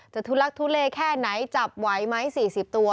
ทุลักทุเลแค่ไหนจับไหวไหม๔๐ตัว